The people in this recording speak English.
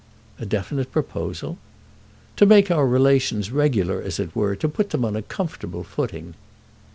"A definite proposal?" "To make our relations regular, as it were—to put them on a comfortable footing."